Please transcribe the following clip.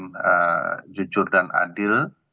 dengan jujur dan adil